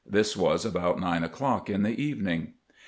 This was about nine o'clock in the evening.